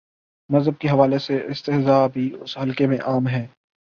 مذہب کے حوالے سے استہزا بھی، اس حلقے میں عام ہے۔